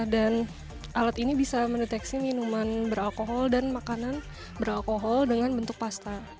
dan alat ini bisa mendeteksi minuman beralkohol dan makanan beralkohol dengan bentuk pasta